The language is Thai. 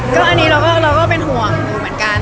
ก็อันนี้เราก็เป็นห่วงอยู่เหมือนกัน